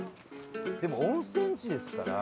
でも温泉地ですから。